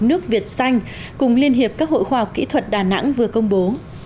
nước việt xanh cùng liên hiệp các hội khoa học kỹ thuật đà nẵng vừa công bố